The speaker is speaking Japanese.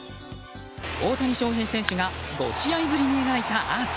大谷翔平選手が５試合ぶりに描いたアーチ。